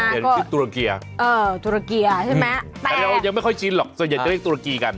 อย่างที่ชื่อตุรกีอะแต่เรายังไม่ค่อยชินหรอกส่วนใหญ่จะเรียกตุรกีกัน